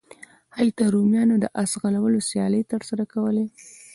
هلته رومیانو د اس ځغلولو سیالۍ ترسره کولې.